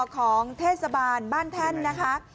ของเทพฯสบาลบ้านท่านนะคะ